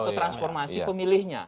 atau transformasi pemilihnya